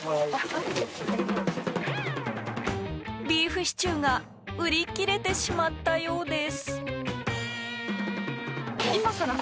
ビーフシチューが売り切れてしまったようです。